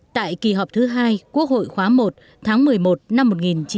tại kỳ họp thứ hai quốc hội khóa i tháng một mươi một năm một nghìn chín trăm bốn mươi sáu